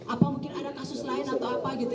apa mungkin ada kasus lain atau apa gitu